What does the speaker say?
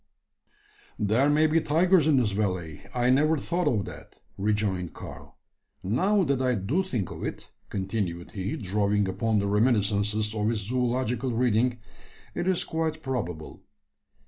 "There may be tigers in this valley; I never thought of that," rejoined Karl. "Now that I do think of it," continued he, drawing upon the reminiscences of his zoological reading, "it is quite probable.